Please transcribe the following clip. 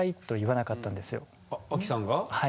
はい。